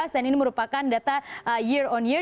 ini merupakan data year on year